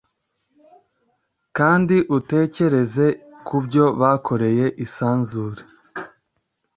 kandi utekereza kubyo bakoreye isanzure